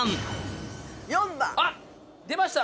あっ出ました